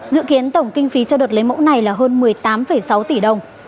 dự kiến tổng kinh phí cho đợt lấy mẫu này là hơn một mươi tám sáu tỷ đồng